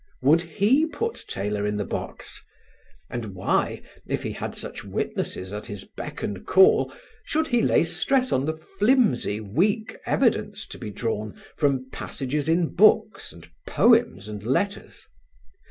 Would he put Taylor in the box? And why, if he had such witnesses at his beck and call, should he lay stress on the flimsy, weak evidence to be drawn from passages in books and poems and letters?